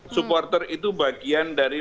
supporter itu bagian dari